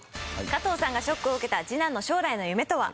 加藤さんがショックを受けた次男の将来の夢とは？